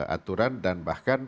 aturan dan bahkan